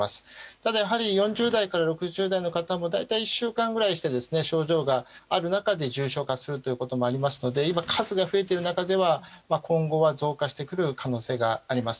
ただ、やはり４０代から６０代ぐらいの方も大体１週間ぐらいして症状がある中で重症化するということもありますので今、数が増えている中では今後は増加してくる可能性はあります。